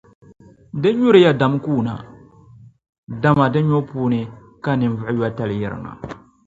Di nyuriya dam kuuna, dama di nyubu puuni ka ninvuɣuyotali yirina.